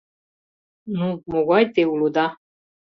— Ну, могай те улыда?